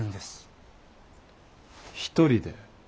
一人で？